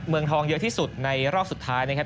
เมืองทองเยอะที่สุดในรอบสุดท้ายนะครับ